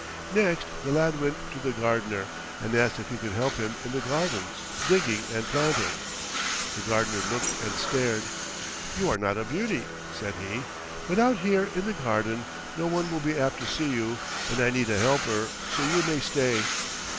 Next the lad went to the gardener and asked if he could help him in the gardens, digging and planting. The gardener looked and stared. "You are not a beauty," said he, "but out here in the garden no one will be apt to see you, and I need a helper, so you may stay."